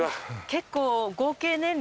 結構。